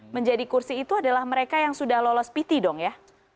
menjadi kursi itu adalah mereka yang sudah lolos pt dong ya